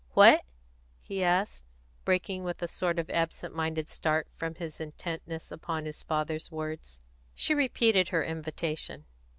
"What?" he asked, breaking with a sort of absent minded start from his intentness upon his father's words. She repeated her invitation.